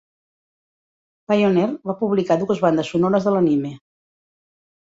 Pioneer va publicar dues bandes sonores de l'anime.